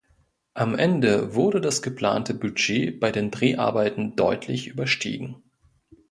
Am Ende wurde das geplante Budget bei den Dreharbeiten deutlich überstiegen.